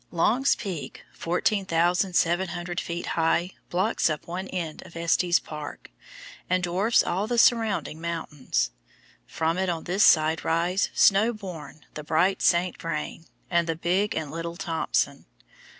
Long's Peak, 14,700 feet high, blocks up one end of Estes Park, and dwarfs all the surrounding mountains. From it on this side rise, snow born, the bright St. Vrain, and the Big and Little Thompson.